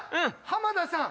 浜田さん